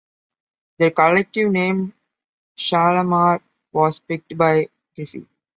Their collective name, "Shalamar", was picked by Griffey.